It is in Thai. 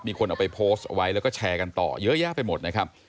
มีคนเอาไปโพสต์ไว้แล้วก็แชร์กันต่อเยอะแยะไปหมดนะครับ